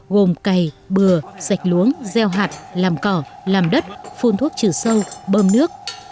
gồm cày bừa sạch luống gieo hạt làm cỏ làm đất phun thuốc trừ sâu bơm nước